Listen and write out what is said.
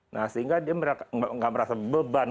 nah sehingga dia nggak merasa beban